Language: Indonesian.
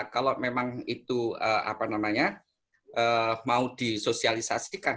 kalau memang itu mau disosialisasikan